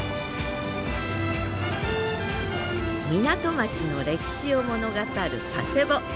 港町の歴史を物語る佐世保。